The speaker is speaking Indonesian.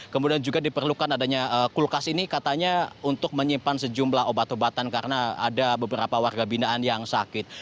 kemudian juga diperlukan adanya kulkas ini katanya untuk menyimpan sejumlah obat obatan karena ada beberapa warga binaan yang sakit